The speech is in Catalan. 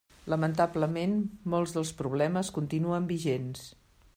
Lamentablement, molts dels problemes continuen vigents.